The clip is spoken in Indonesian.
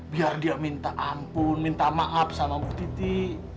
biar dia minta ampun minta maaf sama bu titi